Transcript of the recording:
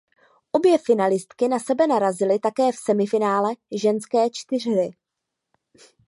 Obě finalistky na sebe narazily také v semifinále ženské čtyřhry.